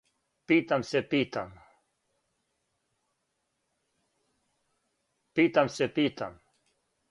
Питам се, питам.